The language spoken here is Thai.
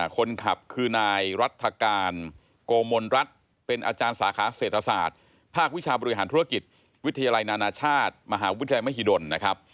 คนขับคือนายรัฐกาลโกมลรัฐเป็นอาจารย์สาขาเศรษฐศาสตร์ภาควิชาบริหารธุรกิจวิทยาลัยนานาชาติมหาวิทยาลัยมหิดลนะครับ